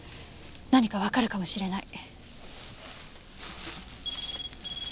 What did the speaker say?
何かわかるかもしれない。